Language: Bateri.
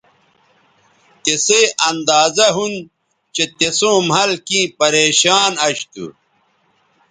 تسئ اندازہ ھُون چہء تِسوں مھل کیں پریشان اش تھو